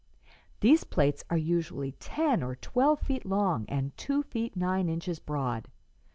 These plates are usually ten or twelve feet long and two feet nine inches broad.